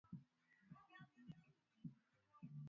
Mambo yanayopelekea ugonjwa wa mapafu kutokea